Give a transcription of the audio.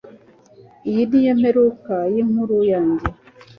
Iyi niyo mperuka yinkuru yanjye